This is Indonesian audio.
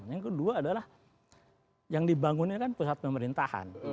yang kedua adalah yang dibangunnya kan pusat pemerintahan